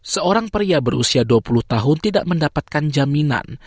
seorang pria berusia dua puluh tahun tidak mendapatkan jaminan